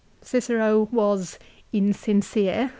Cicero was insincere.